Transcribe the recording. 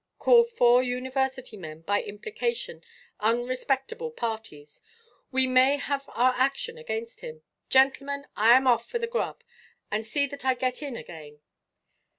Call four university men, by implication, unrespectable parties! We must have our action against him. Gentlemen. I am off for the grub, and see that I get in again."